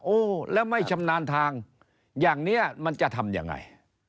โอ้แล้วไม่ชำนาญทางอย่างนี้มันจะทำยังไง